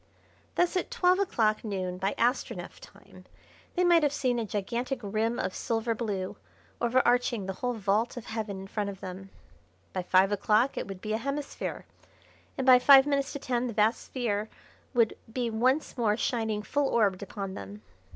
Thus at twelve o'clock noon by Astronef time they might have seen a gigantic rim of silver blue overarching the whole vault of heaven in front of them. By five o'clock it would be a hemisphere, and by five minutes to ten the vast sphere would be once more shining full orbed upon them.